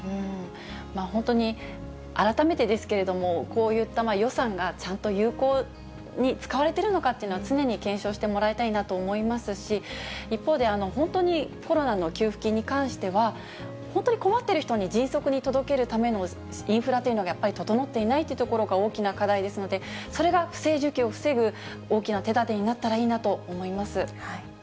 本当に改めてですけれども、こういった予算がちゃんと有効に使われてるのかっていうのは、常に検証してもらいたいなと思いますし、一方で、本当にコロナの給付金に関しては、本当に困っている人に迅速に届けるためのインフラというのが整っていないというところが大きな課題ですので、それが不正受給を防ぐ大きな手だてになったらいいなと思います。